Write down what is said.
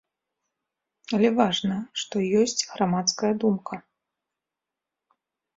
Але важна, што ёсць грамадская думка.